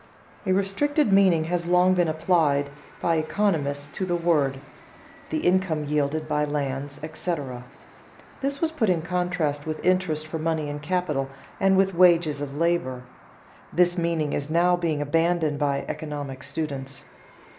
A restricted meaning has long been applied by economists to the word: the income yielded by lands, etc. This was put in contrast with interest for money and capital, and with wages of labor. This meaning is now being abandoned by economic students.